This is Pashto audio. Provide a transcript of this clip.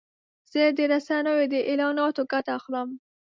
زه د رسنیو د اعلاناتو ګټه اخلم.